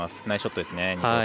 ナイスショットですね。